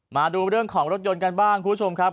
มาดูเรื่องของรถยนต์กันบ้างคุณผู้ชมครับ